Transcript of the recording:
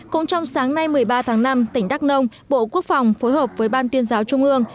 cũng trong sáng nay một mươi ba tháng năm tỉnh đắk nông bộ quốc phòng phối hợp với ban tuyên giáo trung ương